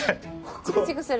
チクチクする？